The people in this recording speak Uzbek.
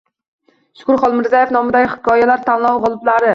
Shukur Xolmirzayev nomidagi hikoyalar tanlovi g‘oliblari